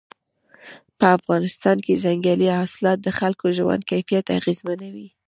په افغانستان کې ځنګلي حاصلات د خلکو ژوند کیفیت اغېزمنوي.